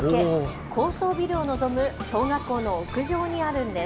高層ビルを望む小学校の屋上にあるんです。